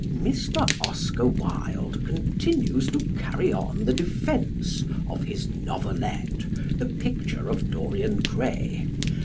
Mr. Oscar Wilde continues to carry on the defence of his novelette, "The Picture of Dorian Gray".